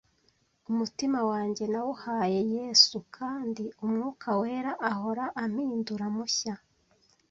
Umutima wanjye nawuhaye Yesu, kandi Umwuka Wera ahora ampindura mushya.